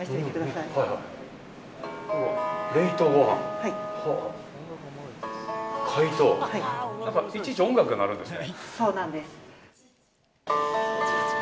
いちいち音楽が鳴るんですね。